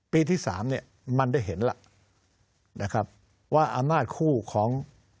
ที่สามเนี่ยมันได้เห็นล่ะนะครับว่าอำนาจคู่ของ